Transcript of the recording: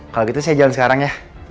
kalau gitu saya jalan sekarang ya